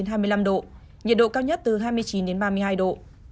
nhiệt độ cao nhất từ hai mươi chín đến ba mươi hai độ